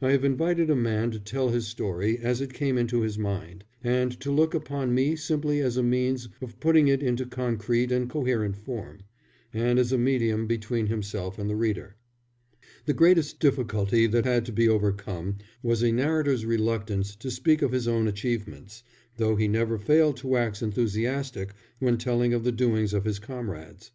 I have invited a man to tell his story as it came into his mind, and to look upon me simply as a means of putting it into concrete and coherent form, and as a medium between himself and the reader. The greatest difficulty that had to be overcome was a narrator's reluctance to speak of his own achievements, though he never failed to wax enthusiastic when telling of the doings of his comrades.